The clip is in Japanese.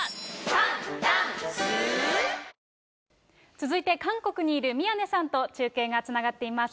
続いて、韓国にいる宮根さんと中継がつながっています。